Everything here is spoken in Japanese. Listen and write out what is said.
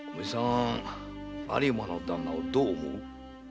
有馬の旦那をどう思う？